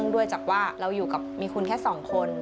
ด้วยจากว่าเราอยู่กับมีคุณแค่๒คน